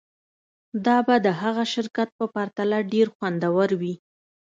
دا به د هغه شرکت په پرتله ډیر خوندور وي